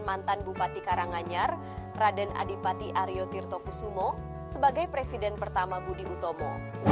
mantan bupati karanganyar raden adipati aryo tirtokusumo sebagai presiden pertama budi utomo